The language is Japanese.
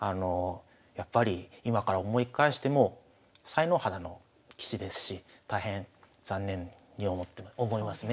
やっぱり今から思い返しても才能肌の棋士ですし大変残念に思いますね。